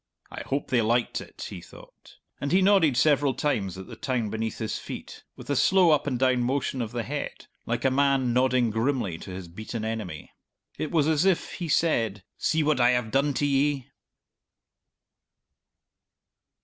"I hope they liked it!" he thought, and he nodded several times at the town beneath his feet, with a slow up and down motion of the head, like a man nodding grimly to his beaten enemy. It was as if he said, "See what I have done to ye!"